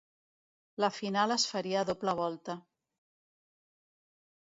La final es faria a doble volta.